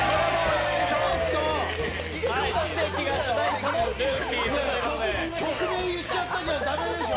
ちょっと、曲名言っちゃったじゃん駄目でしょ。